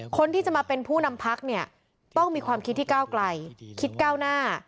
คนที่จะมาเป็นผู้นำพักเนี่ยต้องมีความคิดที่ก้าวไกลคิดก้าวหน้า